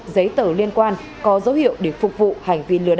giấy tờ liên quan có dấu hiệu để phục vụ hành vi lừa đảo